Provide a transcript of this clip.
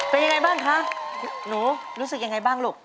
เป็นยังไงบ้างคะหนูรู้สึกยังไงบ้างลูก